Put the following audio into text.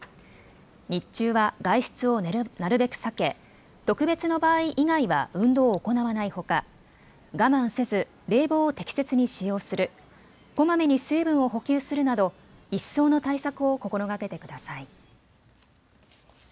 日中は外出をなるべく避け、特別の場合以外は運動を行わないほか、我慢せず冷房を適切に使用する、こまめに水分を補給するなど一層の対策を心がけてください。